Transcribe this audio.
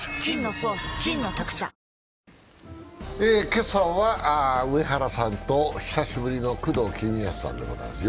今朝は上原さんと久しぶりの工藤公康さんでございます。